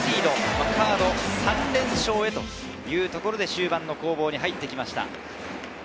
このカード３連勝へというところで終盤に入ってきました。